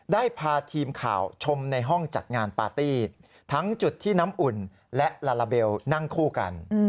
ได้พาทีมข่าวชมในห้องจัดงานปาร์ตี้ทั้งจุดที่น้ำอุ่นและลาลาเบลนั่งคู่กัน